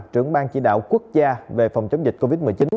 trưởng ban chỉ đạo quốc gia về phòng chống dịch covid một mươi chín